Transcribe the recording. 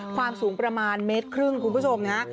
ความสูงประมาณ๑๕เมตรคุณผู้ชมนะฮะ